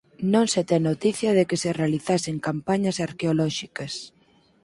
Non se ten noticia de que se realizasen campañas arqueolóxicas.